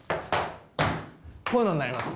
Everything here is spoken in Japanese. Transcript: こういうのになります。